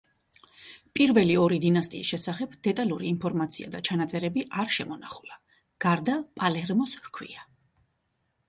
პირველი ორი დინასტიის შესახებ დეტალური ინფორმაცია და ჩანაწერები არ შემონახულა, გარდა პალერმოს ჰქვია.